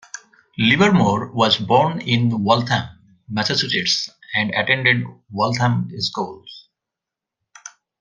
Livermore was born in Waltham, Massachusetts, and attended Waltham schools.